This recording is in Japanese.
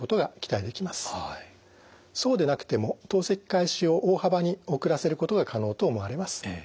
そうでなくても透析開始を大幅に遅らせることが可能と思われます。